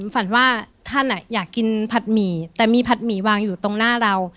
ฝันว่าท่านอยากกินผัดหมี่แต่มีผัดหมี่วางอยู่ตรงหน้าเรา